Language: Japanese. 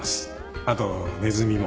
あとネズミも。